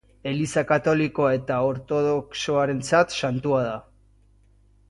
Eliza Katolikoa eta Ortodoxoarentzat santua da.